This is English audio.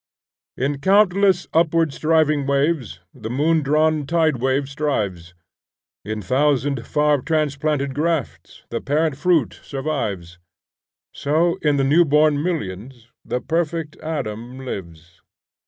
In countless upward striving waves The moon drawn tide wave strives: In thousand far transplanted grafts The parent fruit survives; So, in the new born millions, The perfect Adam lives.